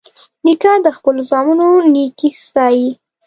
نیکه د خپلو زامنو نیکي ستايي.